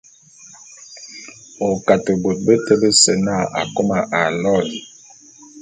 O Kate bôt beté bese na Akôma aloene.